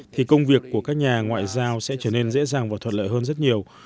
thì công việc của các nhà ngoại giao sẽ trở nên dễ dàng và thuận lợi hơn rất nhiều